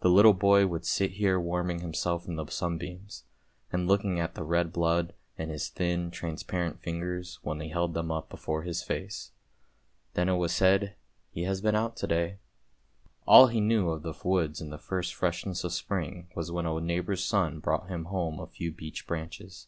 The little boy would sit here warming himself in the sunbeams, and looking at the red blood in his thin transparent fingers when he held them up before his face. Then it was said, " he has been out to day." All he knew of the woods in the first freshness of spring was when a neighbour's son brought him home a few beech branches.